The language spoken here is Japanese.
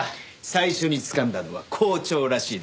最初につかんだのは公調らしいですよ。